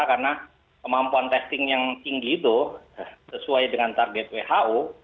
karena kemampuan testing yang tinggi itu sesuai dengan target who